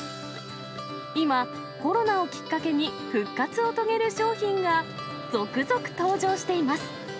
今、コロナをきっかけに、復活を遂げる商品が続々登場しています。